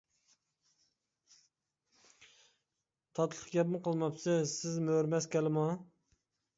تاتلىق گەپمۇ قىلماپسىز سىز مۆرىمەس كالىمۇ.